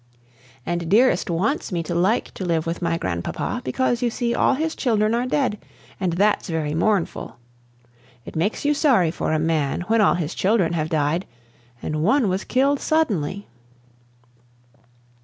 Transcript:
And Dearest wants me to like to live with my grandpapa, because, you see, all his children are dead, and that's very mournful. It makes you sorry for a man, when all his children have died and one was killed suddenly."